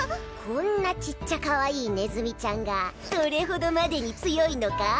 こんなちっちゃかわいいねずみちゃんがそれほどまでに強いのか？